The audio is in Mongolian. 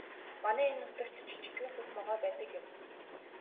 Манай энэ нутагт жижигхэн хөх могой байдаг юм.